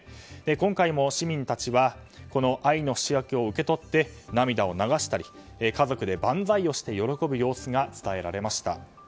今回も市民たちはこの愛の不死薬を受け取り涙を流したり家族で万歳をして喜ぶ様子が伝えられました。